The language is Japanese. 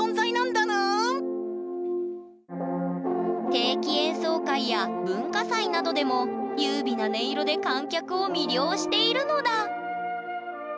定期演奏会や文化祭などでも優美な音色で観客を魅了しているのだ。